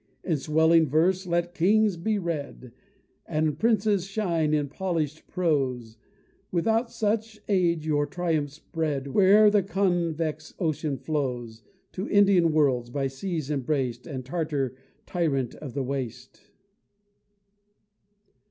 In swelling verse let kings be read, And princes shine in polish'd prose; Without such aid your triumphs spread Where'er the convex ocean flows, To Indian worlds by seas embrac'd, And Tartar, tyrant of the waste.